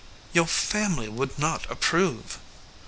"Your family would not approve."